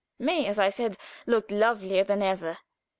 May, as I said, looked lovelier than ever.